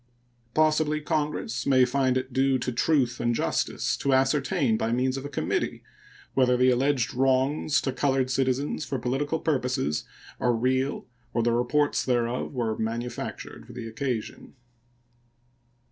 Possibly Congress may find it due to truth and justice to ascertain, by means of a committee, whether the alleged wrongs to colored citizens for political purposes are real or the reports thereof were manufactured for the occasion.